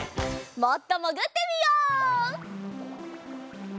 もっともぐってみよう！